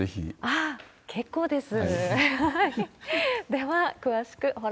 あっ、結構です。